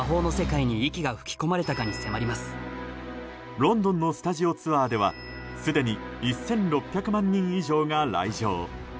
ロンドンのスタジオツアーではすでに１６００万人以上が来場。